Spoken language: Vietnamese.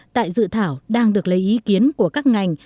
tại dự thảo đang được lấy ý kiến của các ngành